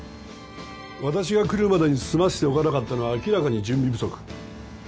私が来るまでに済ませておかなかったのは明らかに準備不足。